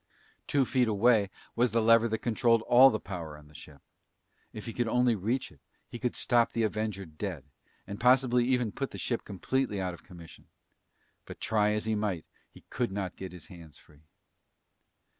Two feet away was the lever that controlled all the power on the ship. If he could only reach it, he could stop the Avenger dead, and possibly even put the ship completely out of commission. But try as he might, he could not get his hands free.